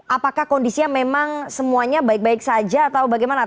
apakah kondisinya memang semuanya baik baik saja atau bagaimana